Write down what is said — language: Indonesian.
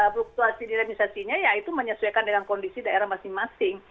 fluktuasi dinamisasi itu menyesuaikan dengan kondisi daerah masing masing